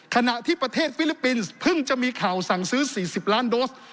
ขณะที่ประเทศฟิลิปปินส์เพิ่งจะมีข่าวสั่งซื้อ๔๐ล้านโดส